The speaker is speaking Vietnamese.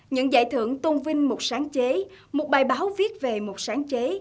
những giải thưởng tôn vinh một sáng chế một bài báo viết về một sáng chế